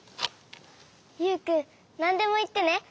ユウくんなんでもいってね。